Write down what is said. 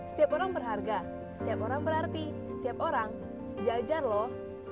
setiap orang berharga setiap orang berarti setiap orang sejajar loh